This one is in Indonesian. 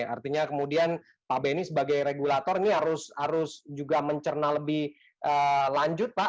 artinya kemudian pak benny sebagai regulator ini harus juga mencerna lebih lanjut pak